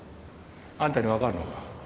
あんたにわかるのか？